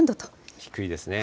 低いですね。